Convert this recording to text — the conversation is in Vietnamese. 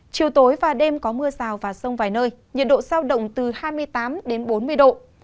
chiều tối và đêm có mưa sào và sông vài nơi nhiệt độ sao động từ hai mươi tám bốn mươi độ